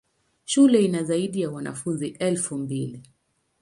Shule ina zaidi ya wanafunzi elfu mbili.